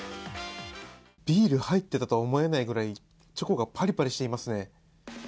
ビール入ってたとは思えないぐらいチョコがパリパリしていますね。